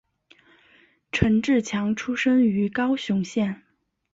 陈志强出生于高雄县。